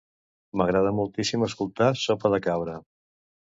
M'agrada moltíssim escoltar Sopa de Cabra.